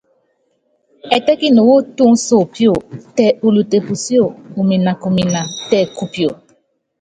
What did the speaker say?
Ɛtɛ́kini wu túnsopio, tɛ ulute pusíó, uminakumina tɛ kupio.